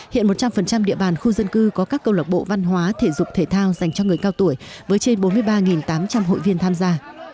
hiện một trăm linh địa bàn khu dân cư có các câu lạc bộ văn hóa thể dục thể thao dành cho người cao tuổi với trên bốn mươi ba tám trăm linh hội viên tham gia